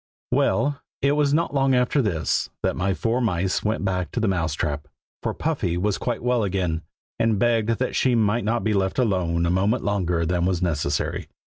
WELL, it was not long after this that my four mice went back to the Mouse trap, for Puffy was quite well again, and begged that she might not be left alone a moment longer than was necessary.